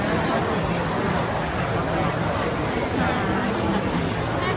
ว่าคนไทยนอกคนแรงโซเชียลเรารู้สึกจริงใจของเรามาก